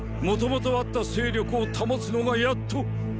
もともとあった勢力を保つのがやっと。